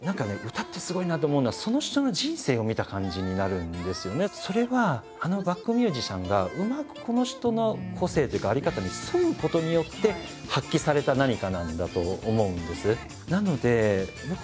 歌ってすごいなと思うのはそれはあのバックミュージシャンがうまくこの人の個性というか在り方に沿うことによって発揮された何かなんだと思うんです。